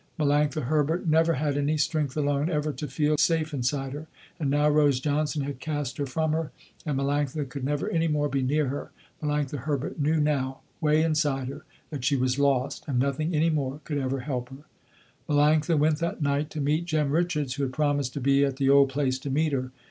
Melanctha Herbert never had any strength alone ever to feel safe inside her. And now Rose Johnson had cast her from her, and Melanctha could never any more be near her. Melanctha Herbert knew now, way inside her, that she was lost, and nothing any more could ever help her. Melanctha went that night to meet Jem Richards who had promised to be at the old place to meet her.